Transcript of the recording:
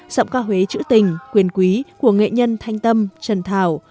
sọng ca huế trữ tình quyền quý của nghệ nhân thanh tâm trần thảo